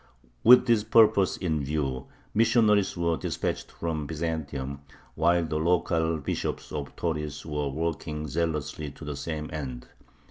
With this purpose in view, missionaries were dispatched from Byzantium, while the local bishops of Tauris were working zealously to the same end.